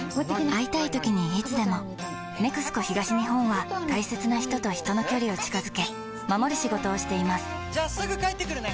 会いたいときにいつでも「ＮＥＸＣＯ東日本」は大切な人と人の距離を近づけ守る仕事をしていますじゃあすぐ帰ってくるね！